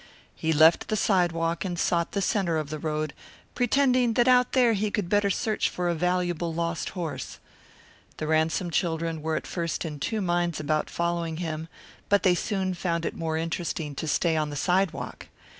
He left the sidewalk and sought the centre of the road, pretending that out there he could better search for a valuable lost horse. The Ransom children were at first in two minds about following him, but they soon found it more interesting to stay on the sidewalk.